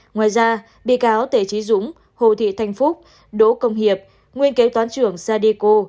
ngoài ra bị cáo tể trí dũng hồ thị thanh phúc đỗ công hiệp nguyên kế toán trưởng sadeco